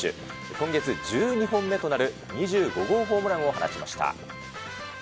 今月、１２本目となる２５号ホームランを放ちました。